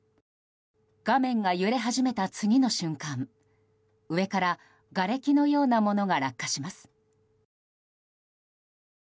画面が揺れ始めた次の瞬間上からがれきのようなものが落下します。